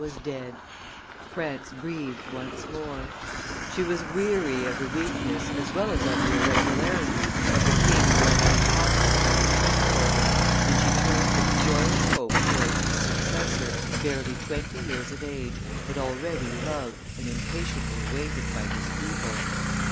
was dead; France breathed once more; she was weary of the weakness as well as of the irregularities of the king who had untaught her her respect for him, and she turned with joyous hope towards his successor, barely twenty years of age, but already loved and impatiently awaited by his people.